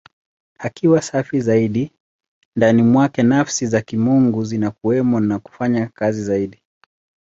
Akiwa safi zaidi, ndani mwake Nafsi za Kimungu zinakuwemo na kufanya kazi zaidi.